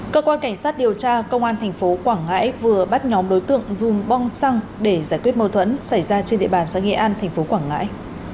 cơ quan cảnh sát điều tra công an thành phố quảng ngãi vừa bắt nhóm đối tượng dùng bong xăng để giải quyết mâu thuẫn xảy ra trên địa bàn xã nghệ an tp quảng ngãi